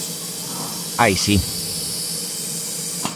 ¡Ai si!